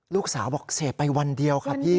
ลูกสาวบอกเสพไปวันเดียวค่ะพี่